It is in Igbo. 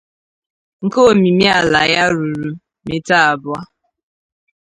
nke omimiàlà ya ruru mita abụọ